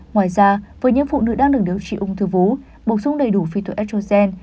ngoài ra với những phụ nữ đang được điều trị ung thư vú bổ sung đầy đủ phyto estrogen